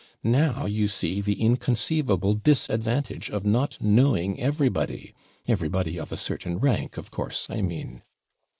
Now you see the inconceivable disadvantage of not knowing everybody everybody of a certain rank, of course, I mean.'